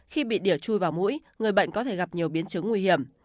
khi bị đỉa chui vào mũi người bệnh có thể gặp nhiều biến chứng nguy hiểm